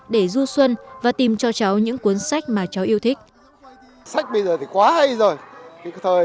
để du xuân và tìm cho cháu những cuốn sách mà cháu yêu thích